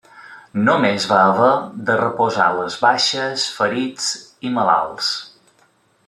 Només va haver de reposar les baixes, ferits i malalts.